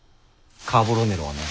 カーボロネロはね